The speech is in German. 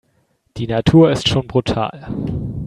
Die Natur ist schon brutal.